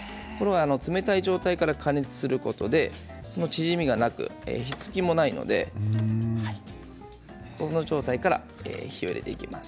冷たい状態から加熱することで縮みがなくひっつきもないのでこの状態から火を入れていきます。